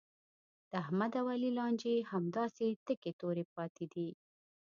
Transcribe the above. د احمد او علي لانجې همداسې تکې تورې پاتې دي.